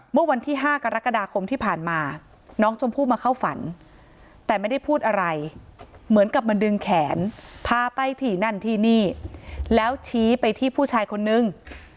เมื่อวันที่๕กรกฎาคมที่ผ่านมาน้องชมพู่มาเข้าฝันแต่ไม่ได้พูดอะไรเหมือนกับมาดึงแขนพาไปที่นั่นที่นี่แล้วชี้ไปที่ผู้ชายคนนึง